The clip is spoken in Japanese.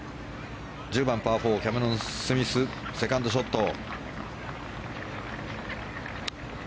１０番、パー４キャメロン・スミスのセカンドショット。